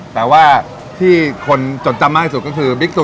แต่ว่าที่คนจดจำมากที่สุดก็คือบิ๊กซู